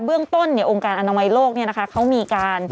เบื้องต้นองค์การอนามัยโลกเขามีการ